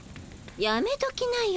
やめときなよ。